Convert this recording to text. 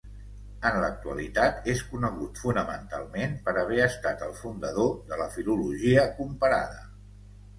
En l'actualitat, és conegut fonamentalment per haver estat el fundador de la filologia comparada.